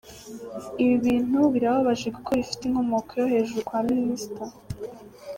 Ibi bintu birababaje kuko bifite inkomoko yo hejuru kwa Minister.